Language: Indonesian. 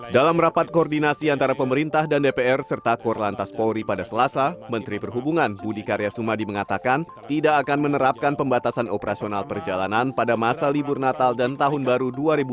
dalam rapat koordinasi antara pemerintah dan dpr serta korlantas polri pada selasa menteri perhubungan budi karya sumadi mengatakan tidak akan menerapkan pembatasan operasional perjalanan pada masa libur natal dan tahun baru dua ribu dua puluh